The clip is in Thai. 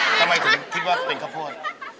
ทำไมถึงคิดว่าเป็นข้าวโพด